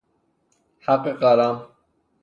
حق قلم